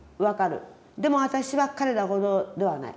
でも私は彼らほどではない。